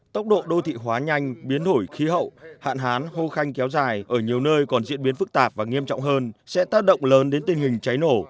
tốc độ đô thị hóa nhanh biến đổi khí hậu hạn hán khô khan kéo dài ở nhiều nơi còn diễn biến phức tạp và nghiêm trọng hơn sẽ tác động lớn đến tình hình cháy nổ